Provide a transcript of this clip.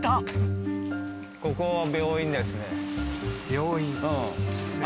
病院。